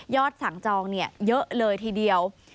ยอดสั่งจองเนี่ยเยอะเลยทีเดียว